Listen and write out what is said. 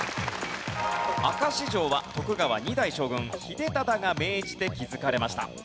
明石城は徳川２代将軍秀忠が命じて築かれました。